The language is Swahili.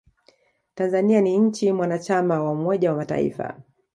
tanzania ni nchi mwanachama wa umoja wa mataifa